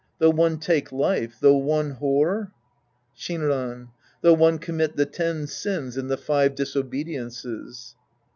Though one take life, though one whore ? Shinran. Though one commit the ten sins and the five disobediences.